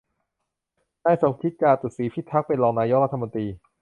นายสมคิด จาตุศรีพิทักษ์ เป็นรองนายกรัฐมนตรี